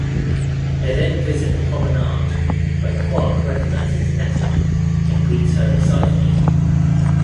They then visit the Promenade, where Quark recognizes Natima and greets her excitedly.